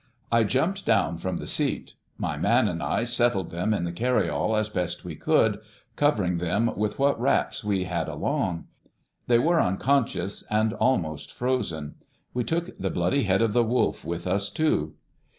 I jumped down from the seat. My man and I settled them in the carryall as best as we could, covering them with what wraps we had along. They were unconscious and almost frozen. We took the bloody head of the wolf with us too.